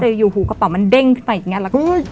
แต่อยู่หูกระเป๋ามันเด้งขึ้นไปอย่างนี้แล้วก็